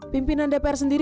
pimpinan dpr sendiri berdiri